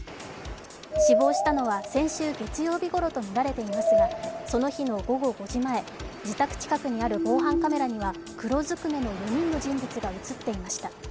死亡したのは先週月曜日ごろとみられていますがその日の午後５時前、自宅近くにある防犯カメラには黒ずくめの４人の人物が映っていました。